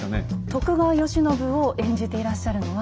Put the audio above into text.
徳川慶喜を演じていらっしゃるのは。